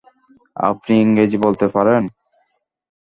আপনি ইংরেজি বলতে পারেন?